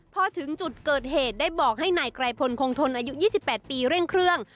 พอถึงจุดเกิดเหตุได้บอกให้นายไกรพลคงทนอายุ๒๘ปีเร่งเครื่อง